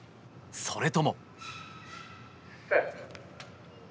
それとも。